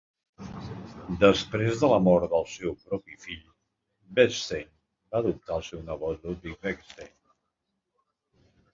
Després de la mort del seu propi fill, Bechstein va adoptar el seu nebot Ludwig Bechstein.